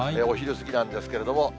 お昼過ぎなんですけれども。